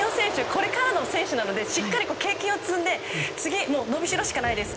これからの選手なのでしっかり経験を積んで次、伸びしろしかないです。